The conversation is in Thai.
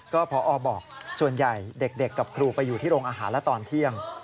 ก็พอบอกส่วนใหญ่เด็กกับครูไปอยู่ที่โรงอาหารและตอนเที่ยง